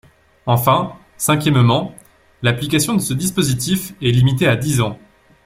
Enfin, cinquièmement, l’application de ce dispositif est limitée à dix ans.